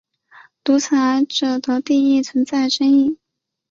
独裁者的定义存在争议。